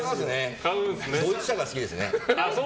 ドイツ車が好きですね。